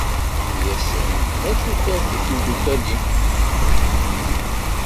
Ini-asent ar tufat i tmeddukal-im.